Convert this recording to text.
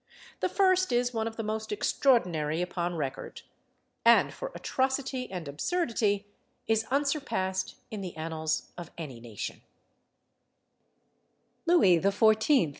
The first is one of the most extraordinary upon record, and for atrocity and absurdity is unsurpassed in the annals of any nation.